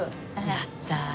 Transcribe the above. やったー。